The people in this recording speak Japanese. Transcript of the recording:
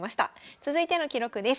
続いての記録です。